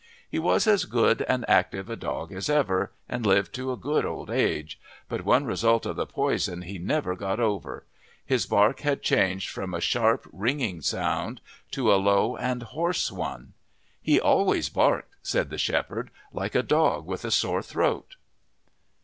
He was as good and active a dog as ever, and lived to a good old age, but one result of the poison he never got over: his bark had changed from a sharp ringing sound to a low and hoarse one. "He always barked," said the shepherd, "like a dog with a sore throat."